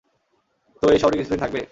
তো এই শহরে কিছুদিন থাকবে?